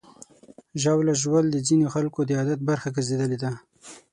ژاوله ژوول د ځینو خلکو د عادت برخه ګرځېدلې ده.